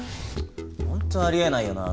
本当ありえないよな